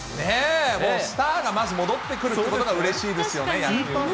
もうスターがまず戻ってくるということがうれしいですよね、野球にね。